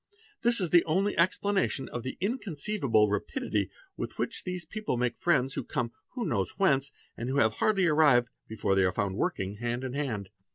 This is the only explanation of the inconceivable rapidity with which those people make friends who come no one knows whence, and who have hardly arrived before they are. found working hand in hand.